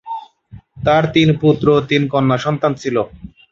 তার তিন পুত্র ও তিন কন্যা ছিল।